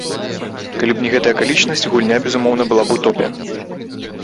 Калі б не гэта акалічнасць, гульня, безумоўна, была б у топе.